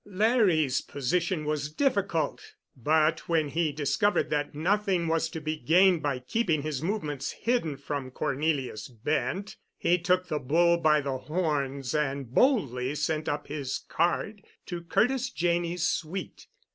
Larry's position was difficult, but when he discovered that nothing was to be gained by keeping his movements hidden from Cornelius Bent he took the bull by the horns and boldly sent up his card to Curtis Janney's suite.